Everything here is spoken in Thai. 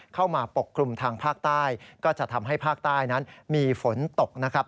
ปกคลุมทางภาคใต้ก็จะทำให้ภาคใต้นั้นมีฝนตกนะครับ